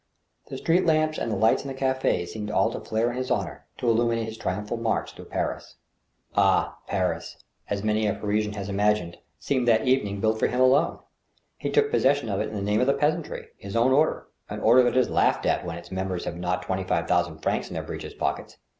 The street lamps and the lights in the cafds seemed all to flare in his honor, to illuminate his triumphal march through Paris. Ah, Paris — as many a Parisian has imagined — seemed that even ing built for him alone. He took possession of it in the name of the , peasantry, his own order, an order that is laughed at when its mem bers have not twenty five thousand francs in their breeches pockets.